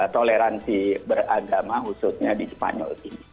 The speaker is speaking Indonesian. toleransi beragama khususnya di spanyol ini